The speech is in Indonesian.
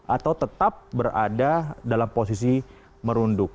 atau tetap berada dalam posisi merunduk